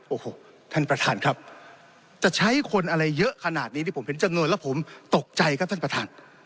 โอ้โหท่านประธานครับจะใช้คนอะไรเยอะขนาดนี้ที่ผมเห็นจำนวนแล้วผมตกใจครับท่านประธาน